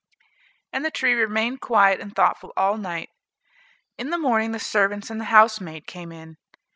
And the tree remained quiet and thoughtful all night. In the morning the servants and the housemaid came in.